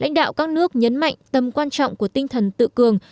lãnh đạo các nước nhấn mạnh tầm quan trọng của tinh thần tự cường